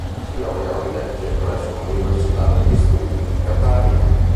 Si laureò in Legge presso l’Università degli Studi di Catania.